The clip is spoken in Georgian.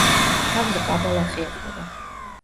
თავზე ყაბალახი ეხურა.